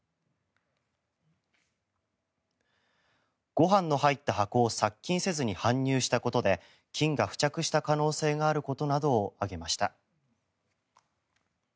ご飯の入った箱を殺菌せずに搬入したことで菌が付着した可能性があることなどを挙げました。